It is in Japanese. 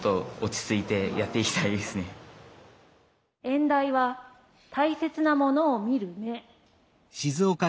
演題は「大切なものを見る目」。